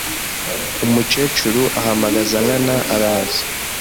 umukecuru ahamagaza Nkana araza